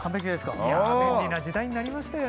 いや便利な時代になりましたよね。